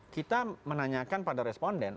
kita menanyakan pada responden